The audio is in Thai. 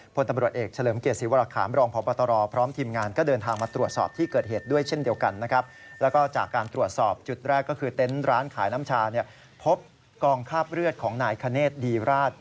พลตำรวจเอกเฉลิมเกียรติศิวรคคามรองพปตร